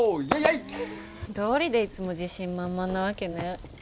どうりでいつも自信満々なわけね。